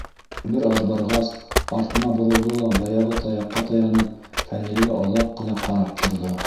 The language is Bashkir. Бер аҙ барғас артына боролдо ла баяғы таяҡҡа таянып Фәнилгә оҙаҡ ҡына ҡарап торҙо.